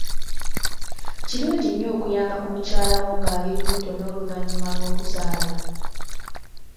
Kirungi nnyo okuyamba ku mukyalawo ng'ali lubuto n'oluvannyuma lw'okuzaala.